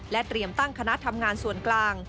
เตรียมตั้งคณะทำงานส่วนกลาง